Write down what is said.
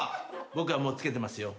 僕はもう着けてますよ。